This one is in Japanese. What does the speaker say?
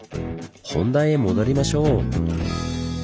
本題へ戻りましょう。